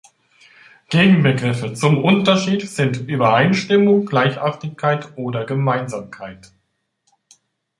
Gegenbegriffe zum Unterschied sind Übereinstimmung, Gleichartigkeit oder Gemeinsamkeit.